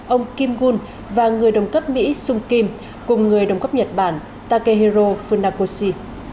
ông kim gun và người đồng cấp mỹ sung kim cùng người đồng cấp nhật bản takehiro funakoshi